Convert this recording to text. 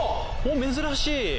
珍しい！